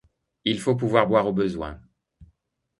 Il faut pouvoir boire au besoin.